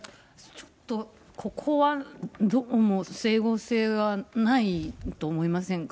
ちょっと、ここはどうも整合性がないと思いませんか。